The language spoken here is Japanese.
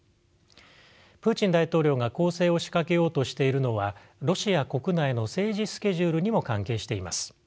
プーチン大統領が攻勢を仕掛けようとしているのはロシア国内の政治スケジュールにも関係しています。